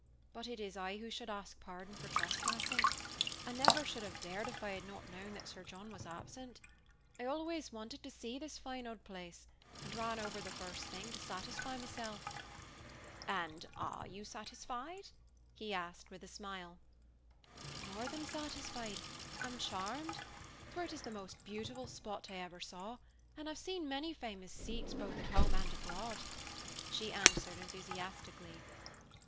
But it is I who should ask pardon for trespassing. I never should have dared if I had not known that Sir John was absent. I always wanted to see this fine old place, and ran over the first thing, to satisfy myself." "And are you satisfied?" he asked, with a smile. "More than satisfied I'm charmed; for it is the most beautiful spot I ever saw, and I've seen many famous seats, both at home and abroad," she answered enthusiastically.